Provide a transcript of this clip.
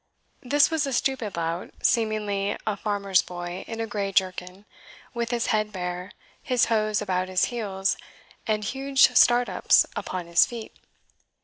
This was a stupid lout, seemingly a farmer's boy, in a grey jerkin, with his head bare, his hose about his heels, and huge startups upon his feet.